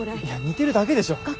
いや似てるだけでしょ。